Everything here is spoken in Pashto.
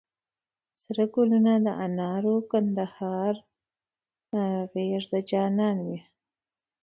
سره ګلونه د انارو، کندهار غېږ د جانان مي